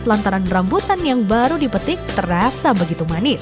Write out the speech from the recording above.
lantaran rambutan yang baru dipetik terasa begitu manis